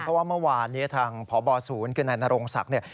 เพราะว่าเมื่อวานนี้ทางพบศูนย์คือนายนรงศักดิ์เนี่ย